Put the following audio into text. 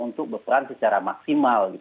untuk berperan secara maksimal